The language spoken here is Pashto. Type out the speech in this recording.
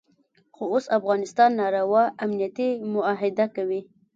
خو اوس افغانستان ناروا امنیتي معاهده کوي.